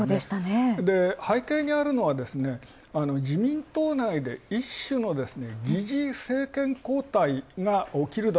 背景にあるのは、自民党内で一種のですね、擬似政権交代がおきるだ